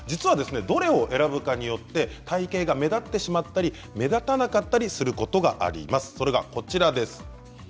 どれを選ぶかによって体形が目立ってしまったり目立たなかったりすることがあります。